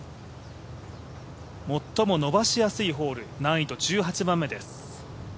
最も伸ばしやすいホール難易度１８番目です。